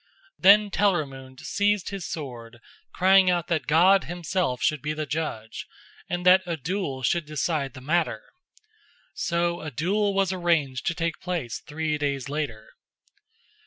Then Telramund seized his sword, crying out that God Himself should be the judge, and that a duel should decide the matter. So a duel was arranged to take place three days later.